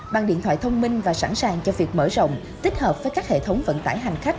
bằng điện thoại thông minh và sẵn sàng cho việc mở rộng tích hợp với các hệ thống vận tải hành khách